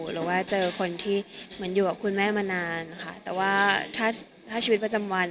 หรือว่าเจอคนที่เหมือนอยู่กับคุณแม่มานานค่ะแต่ว่าถ้าชีวิตประจำวัน